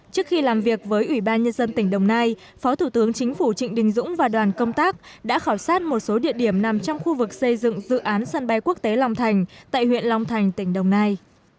trước khi làm việc với ủy ban nhân dân tỉnh đồng nai phó thủ tướng chính phủ trịnh đình dũng và đoàn công tác đã khảo sát một số địa điểm nằm trong khu vực xây dựng dự án sân bay quốc tế long thành tại huyện long thành tỉnh đồng nai